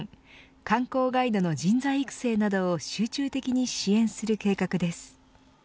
観光ガイドの人材育成などを集中的に支援する計画です。